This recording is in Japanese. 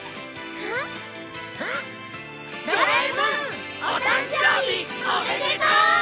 ドラえもんお誕生日おめでとう！